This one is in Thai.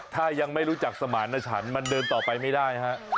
ถ้ายังไม่รู้จักสมารณชันมันเดินต่อไปไม่ได้ฮะ